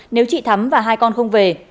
nếu chị thắm và hai con không về